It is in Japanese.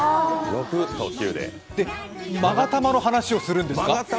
まが玉の話をするんですか？